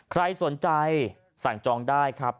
ใครสนใจสั่งจองได้ครับ